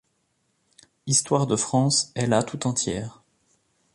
Histoire de France est là tout entière.